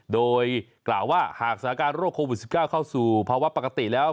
โดยกล่าวว่าหากสถานการณ์โรคโควิด๑๙เข้าสู่ภาวะปกติแล้ว